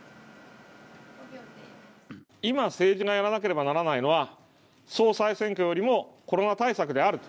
今、政治がやらなければならないのは、総裁選挙よりもコロナ対策である。